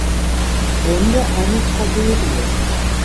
Runde eine Tragödie.